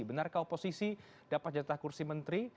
benarkah oposisi dapat jatah kursi menteri